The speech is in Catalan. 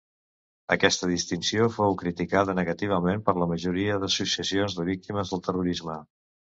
Aquesta distinció fou criticada negativament per la majoria d'associacions de víctimes del terrorisme.